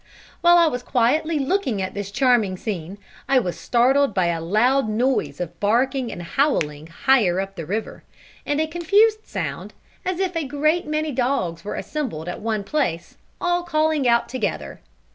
While I was quietly looking at this charming scene, I was startled by a loud noise of barking and howling higher up the river, and a confused sound, as if a great many dogs were assembled at one place, all calling out together.